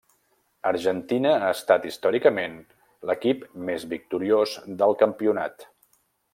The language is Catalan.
Argentina ha estat històricament l'equip més victoriós del campionat.